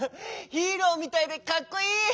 ヒーローみたいでかっこいい！